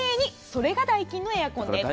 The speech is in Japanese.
それがダイキンのエアコンです。